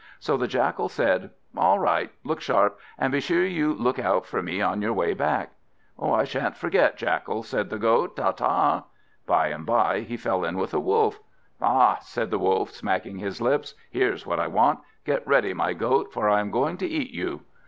So the Jackal said "All right, look sharp, and be sure you look out for me on your way back." "I shan't forget, Jackal," said the Goat. "Ta ta!" By and by he fell in with a Wolf. "Ha!" said the Wolf, smacking his lips; "here's what I want. Get ready, my Goat, for I am going to eat you."